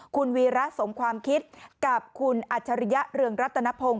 คุณวีระสมความคิดกับคุณอัจฉริยะเรืองรัตนพงศ